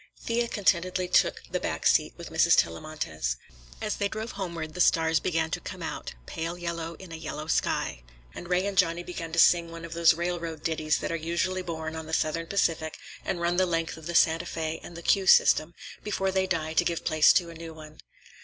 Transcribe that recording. Thea contentedly took the back seat with Mrs. Tellamantez. As they drove homeward the stars began to come out, pale yellow in a yellow sky, and Ray and Johnny began to sing one of those railroad ditties that are usually born on the Southern Pacific and run the length of the Santa Fé and the "Q" system before they die to give place to a new one.